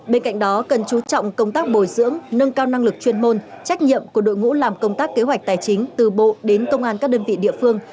bên cạnh đó cần chú trọng công tác bồi dưỡng nâng cao năng lực chuyên môn trách nhiệm của đội ngũ làm công tác kế hoạch tài chính từ bộ đến công an các đơn vị địa phương